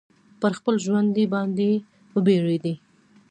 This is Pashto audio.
پر خپل ژوند باندي وبېرېدی.